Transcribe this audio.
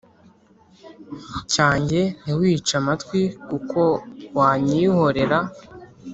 Cyanjye ntiwice amatwi kuko wanyihorera